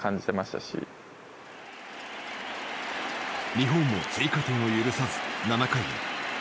日本も追加点を許さず７回へ。